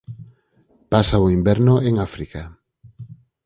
Pasa o inverno en África.